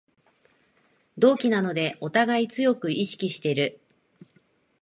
同期なのでおたがい強く意識してる